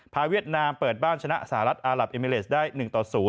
เวียดนามเปิดบ้านชนะสหรัฐอารับเอมิเลสได้๑ต่อ๐